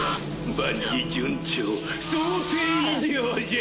万事順調想定以上じゃ！